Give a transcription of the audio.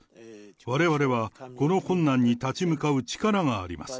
われわれはこの困難に立ち向かう力があります。